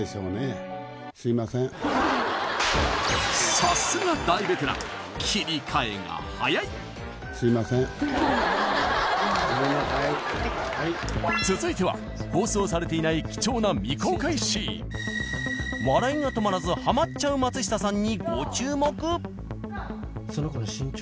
さすが大ベテラン続いては放送されていない貴重な未公開シーン笑いが止まらずハマっちゃう松下さんにご注目スタート